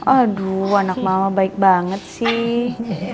aduh anak mama baik banget sih